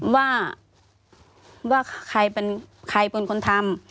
ว่าใครเป็นคนทำ